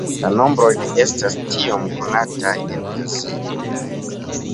La nombroj ne estas tiom konataj en Azio.